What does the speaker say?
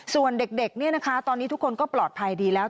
ส่วนเด็กเนี่ยนะคะตอนนี้ทุกคนก็ปลอดภัยดีแล้ว